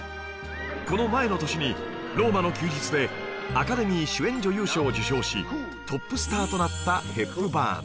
この前の年に『ローマの休日』でアカデミー主演女優賞を受賞しトップスターとなったヘップバーン